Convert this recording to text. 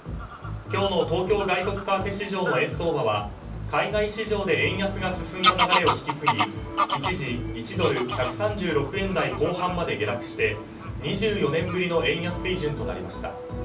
今日の東京外国為替市場の円相場は海外市場で円安が進んだ流れを引き継ぎ一時１ドル＝１３６円台後半まで下落して２４年ぶりの円安水準となりました。